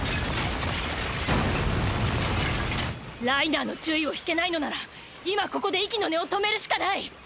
ライナーの注意を引けないのなら今ここで息の根を止めるしかない。